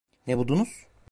Ne buldunuz?